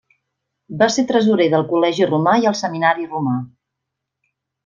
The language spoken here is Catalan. Va ser tresorer del Col·legi Romà i el Seminari Romà.